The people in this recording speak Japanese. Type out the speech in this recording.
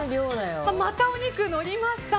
またお肉のりました。